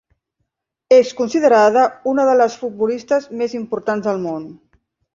És considerada una de les futbolistes més importants del món.